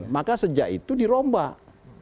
maka sejak itu dirombak